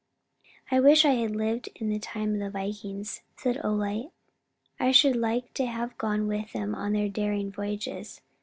"I wish I had lived in the time of the Vikings," said Ole. "I should like to have gone with them on their daring voyages.